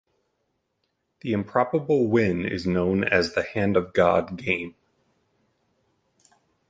The improbable win is known as the "Hand of God" game.